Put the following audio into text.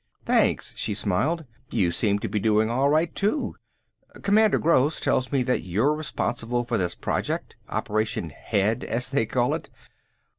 "Thanks." She smiled. "You seem to be doing all right, too. Commander Gross tells me that you're responsible for this project, Operation Head, as they call it.